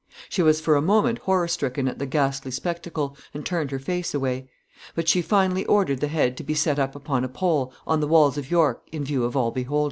She was for a moment horror stricken at the ghastly spectacle, and turned her face away; but she finally ordered the head to be set up upon a pole on the walls of York, in view of all beholders.